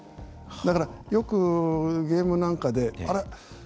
だからよくゲームなんかであれ？